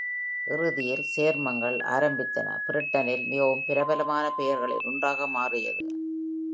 இறுதியில் சேர்மங்கள் ஆரம்பித்தன, பிரிட்டனில் மிகவும் பிரபலமான பெயர்களில் ஒன்றாக மாறியது.